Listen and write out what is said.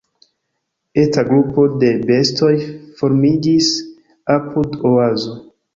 Eta grupo de bestoj formiĝis apud Oazo: